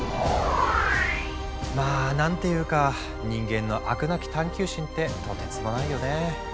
まあ何ていうか人間の飽くなき探求心ってとてつもないよね。